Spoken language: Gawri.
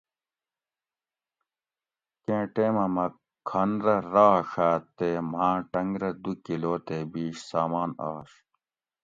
کیں ٹیمہ مہ کھن رہ راڛاۤت تے ماں ٹنگ رہ دو کلو تے بیش سامان آش